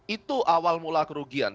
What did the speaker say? itu awal mula kerugian